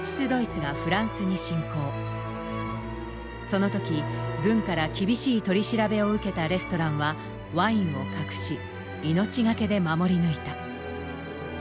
その時軍から厳しい取り調べを受けたレストランはワインを隠し命懸けで守り抜いた。